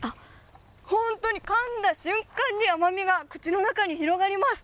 本当にかんだ瞬間に甘みが口の中に広がります。